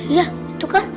iya itu kan